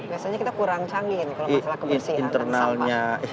biasanya kita kurang canggih kalau masalah kebersihan